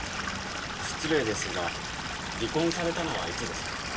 失礼ですが離婚されたのはいつですか？